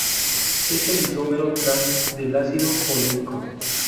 Es el isómero trans del ácido oleico.